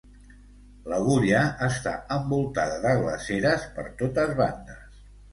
L'agulla està envoltada de glaceres per totes bandes.